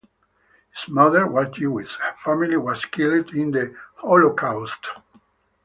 His mother was Jewish; her family was killed in the Holocaust.